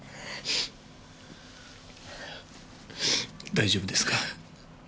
大丈夫ですか？